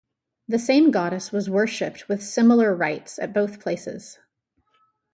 The same goddess was worshipped with similar rites at both places.